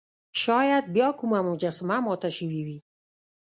شاید بیا کومه مجسمه ماته شوې وي.